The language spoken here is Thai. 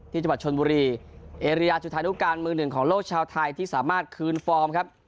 จังหวัดชนบุรีเอเรียจุธานุการมือหนึ่งของโลกชาวไทยที่สามารถคืนฟอร์มครับ